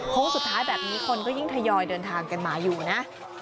สุดท้ายแบบนี้คนก็ยิ่งทยอยเดินทางกันมาอยู่นะ